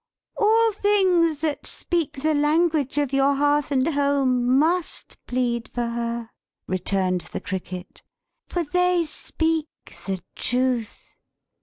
"All things that speak the language of your hearth and home, must plead for her!" returned the Cricket. "For they speak the Truth."